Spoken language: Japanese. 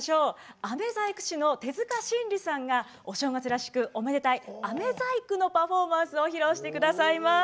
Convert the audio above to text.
あめ細工師の手塚新理さんがお正月らしくおめでたいあめ細工のパフォーマンスを披露してくださいます。